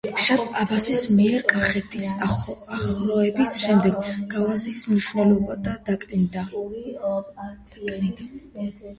შაჰ-აბასის მიერ კახეთის აოხრების შემდეგ გავაზის მნიშვნელობა დაკნინდა.